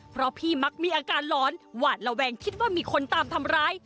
เพราะพี่มักมีอาการหลอนหวาดระแวงคิดว่ามีคนตามทำร้าย